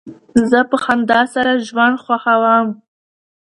زه په خندا سره ژوند خوښوم.